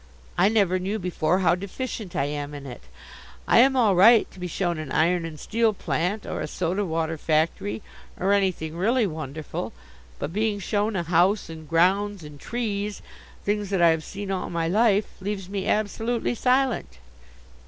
I never knew before how deficient I am in it. I am all right to be shown an iron and steel plant, or a soda water factory, or anything really wonderful, but being shown a house and grounds and trees, things that I have seen all my life, leaves me absolutely silent.